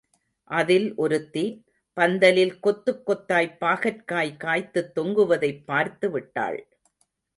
அதில் ஒருத்தி, பந்தலில் கொத்துக் கொத்தாய்ப் பாகற்காப் காய்த்துத் தொங்குவதைப் பார்த்துவிட்டாள்.